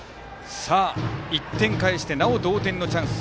１点返してなお同点のチャンス。